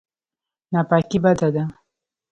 ناپاکي بده ده.